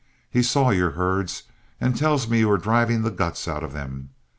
He saw your herds and tells me you are driving the guts out of them.